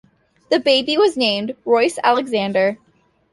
The baby was named Royce Alexander.